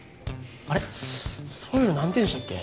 あれっそういうのなんていうんでしたっけ？